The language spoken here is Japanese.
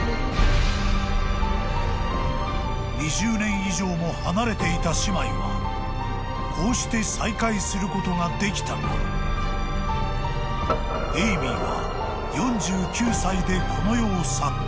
［２０年以上も離れていた姉妹はこうして再会することができたがエイミーは］